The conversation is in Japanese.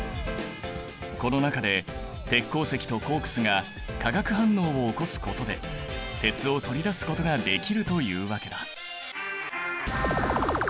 この中で鉄鉱石とコークスが化学反応を起こすことで鉄を取り出すことができるというわけだ。